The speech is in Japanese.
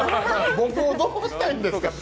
僕をどうしたいんですか？！